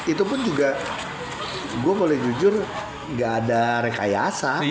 itu pun juga gue boleh jujur gak ada rekayasa